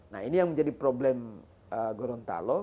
nah ini yang menjadi problem gorontalo